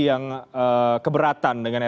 yang keberatan dengan